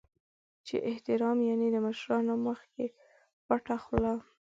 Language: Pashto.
چې احترام یعنې د مشرانو مخکې پټه خوله .